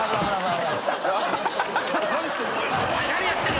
何してんの？